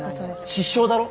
失笑だろ？